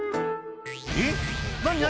「えっ何何？